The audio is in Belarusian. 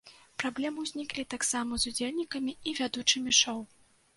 Праблемы ўзніклі таксама з удзельнікамі і вядучымі шоў.